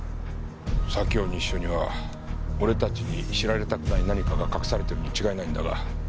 左京西署には俺たちに知られたくない何かが隠されてるに違いないんだが。